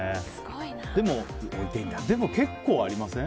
でも、結構ありません？